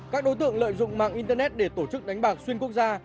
các đối tượng lợi dụng mạng internet để tổ chức đánh bạc xuyên quốc gia